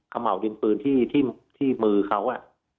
เอาหม่าวดินพื้นที่มาในมือเขาอะ